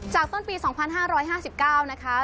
ต้นปี๒๕๕๙นะคะ